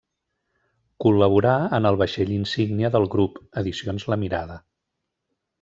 Col·laborà en el vaixell insígnia del grup, edicions La Mirada.